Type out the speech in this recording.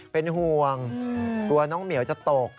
เป็นห่วงกลัวน้องเหมียวจะตก